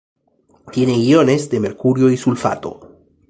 Tiene iones de mercurio y sulfato.